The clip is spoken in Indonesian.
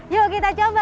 yuk kita coba